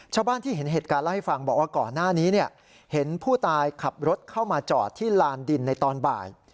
ชาวบ้านที่เห็นเหตุการณ์เล่าให้ฟังบอกว่าก่อนหน้านี้เห็นผู้ตายขับรถเข้ามาจอดที่ลานดินในตอนบ่าย